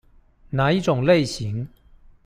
那一種類型